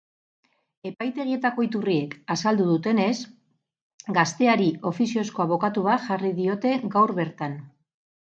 Epaitegietako iturriek azaldu dutenez, gazteari ofiziozko abokatu bat jarri diote gaur bertan.